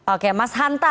oke mas hanta